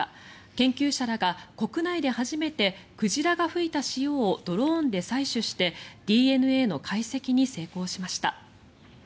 研究者らが国内で初めて鯨が吹いた潮をドローンで採取してＤＮＡの解析に成功しました。